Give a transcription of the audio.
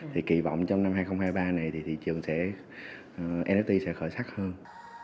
thì kỳ vọng trong năm hai nghìn hai mươi ba này thì thị trường nft sẽ khởi sắc hơn